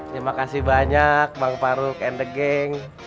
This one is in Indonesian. terima kasih banyak bang paru kandegeng